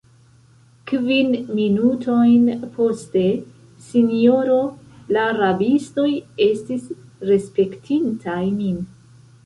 Kvin minutojn poste, sinjoro, la rabistoj estis rekaptintaj min.